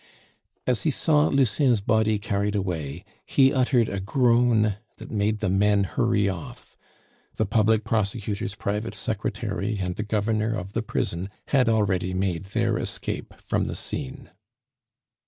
As he saw Lucien's body carried away, he uttered a groan that made the men hurry off. The public prosecutor's private secretary and the governor of the prison had already made their escape from the scene.